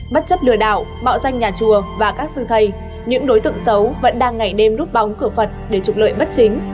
bất chấp lừa đảo mạo danh nhà chùa và các sư thầy những đối tượng xấu vẫn đang ngày đêm núp bóng cửa phật để trục lợi bất chính